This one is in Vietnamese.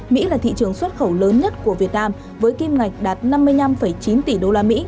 mỹ là thị trường xuất khẩu lớn nhất của việt nam với kim ngạch đạt năm mươi năm chín tỷ usd